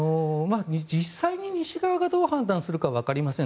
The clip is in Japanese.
実際に西側がどう判断するかはわかりません。